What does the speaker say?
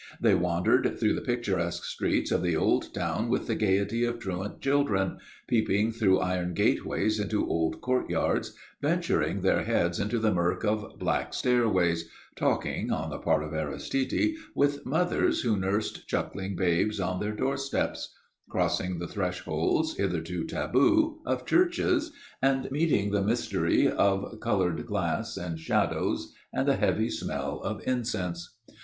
They wandered through the picturesque streets of the old town with the gaiety of truant children, peeping through iron gateways into old courtyards, venturing their heads into the murk of black stairways, talking (on the part of Aristide) with mothers who nursed chuckling babes on their doorsteps, crossing the thresholds, hitherto taboo, of churches, and meeting the mystery of coloured glass and shadows and the heavy smell of incense.